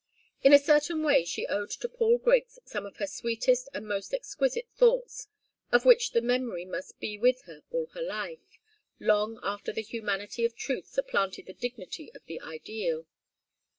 In a certain way she owed to Paul Griggs some of her sweetest and most exquisite thoughts, of which the memory must be with her all her life, long after the humanity of truth supplanted the dignity of the ideal.